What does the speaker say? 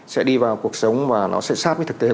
sẽ đi vào cuộc sống và nó sẽ sát với thực tế